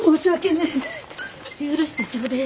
．許してちょうでえ。